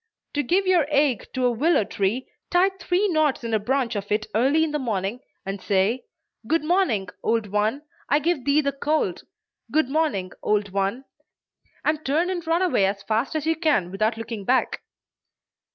To give your ague to a willow tree, tie three knots in a branch of it early in the morning, and say, "Good morning, old one! I give thee the cold; good morning, old one!" and turn and run away as fast as you can without looking back.